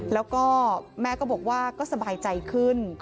แล้วก็แม่ก็บอกว่าก็สบายใจขึ้น